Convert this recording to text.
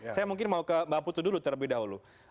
saya mungkin mau ke mbak putu dulu terlebih dahulu